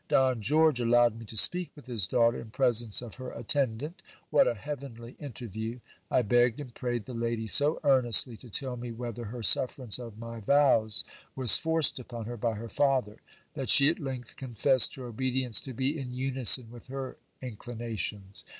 Don George allowed me to speak with his daughter in presence of her attendant. What a heavenly interview ! I begged and prayed the lady so earnestly to tell me whether her sufferance of my vows was forced upon her by her father, that she at length confessed her obedience to be in unison with her inclinations.